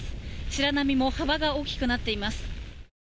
白波も幅が大きくなっています。